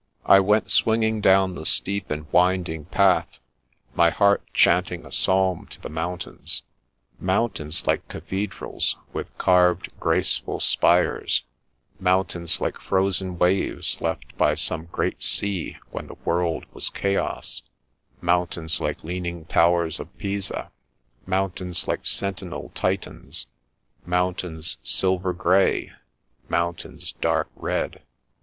I went swinging down the steep and winding path, my heart chanting a psalm to the mountains. Moun tains like cathedrals, with carved, graceful spires; mountains like frozen waves left by some g^eat sea when the world was chaos; mountains like leaning towers of Pisa; mountains like sentinel Titans; mountains silver grey; mountains dark red.